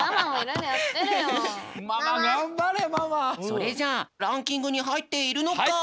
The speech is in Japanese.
それじゃあランキングにはいっているのか？